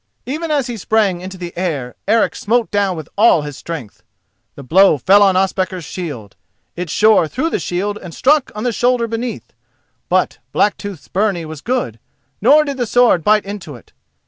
Even as he sprang into the air, Eric smote down with all his strength. The blow fell on Ospakar's shield. It shore through the shield and struck on the shoulder beneath. But Blacktooth's byrnie was good, nor did the sword bite into it.